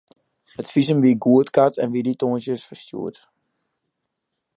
It fisum wie goedkard en wie dy tongersdeis ferstjoerd.